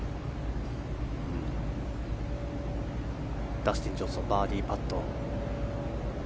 ダスティン・ジョンソンバーディーパット。